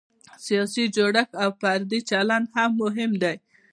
سیاسي جوړښت او فردي چلند هم مهم دی.